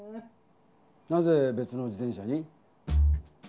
なぜべつの自転車に？